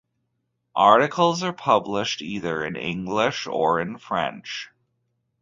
Articles are published either in English or in French.